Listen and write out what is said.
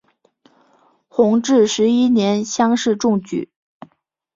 弘治十一年乡试中举。